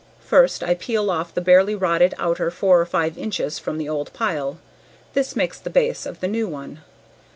First I peel off the barely rotted outer four or five inches from the old pile; this makes the base of the new one.